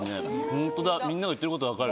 ホントだみんなが言ってること分かる。